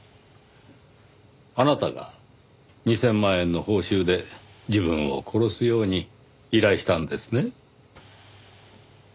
あなたが２０００万円の報酬で自分を殺すように依頼したんですね？